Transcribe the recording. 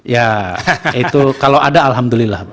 ya itu kalau ada alhamdulillah